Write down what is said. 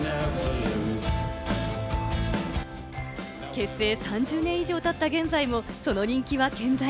結成３０年以上経った現在もその人気は健在。